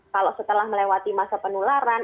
kalau setelah melewati masa penularan